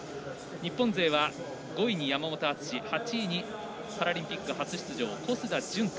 日本勢は５位に山本篤８位にパラリンピック初出場小須田潤太。